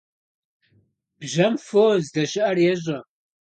Бжьэм фо здэщыIэр ещIэ.